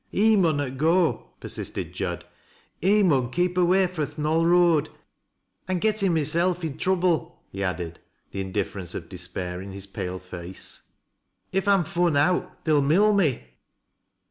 " He munnot go," persisted Jud ;" he mun keep away fro' th' Knoll Eoad. I'm gettin' myself i' trouble," he added, the indifference of despair in his pale face. " If I'm fun out they'll mill me."